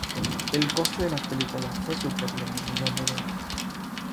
El coste de las películas fue superior al millón de dólares.